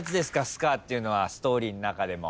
スカーっていうのはストーリーん中でも。